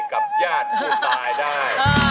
กับญาติผู้ตายได้